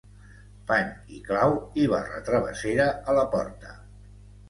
Pany i clau i barra travessera a la porta.